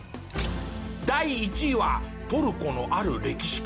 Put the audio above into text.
第１位はトルコのある歴史家。